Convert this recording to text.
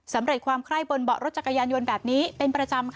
สำเร็จความไคร้บนเบาะรถจักรยานยนต์แบบนี้เป็นประจำค่ะ